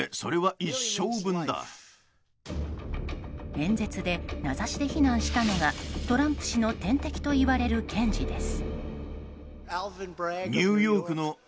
演説で名指しで非難したのがトランプ氏の天敵といわれる検事です。